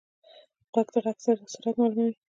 غوږ د غږ سرعت معلوموي.